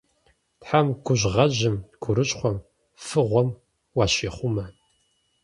Тхьэм гужьгъэжьым, гурыщхъуэм, фыгъуэм уащихъумэ.